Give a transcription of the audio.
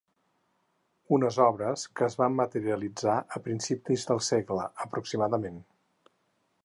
Unes obres que es van materialitzar a principis del segle, aproximadament.